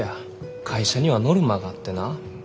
会社にはノルマがあってな